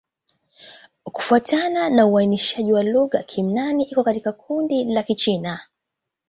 Kufuatana na uainishaji wa lugha, Kimin-Nan iko katika kundi la Kichina.